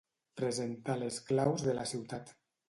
Presentar les claus de la ciutat.